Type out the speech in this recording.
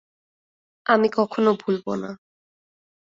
আমি কখনো ভুলব না।